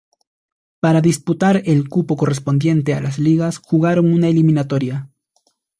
Para disputar el cupo correspondiente a las ligas jugaron una eliminatoria.